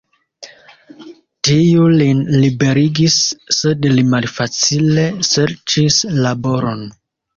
Tiu lin liberigis, sed li malfacile serĉis laboron.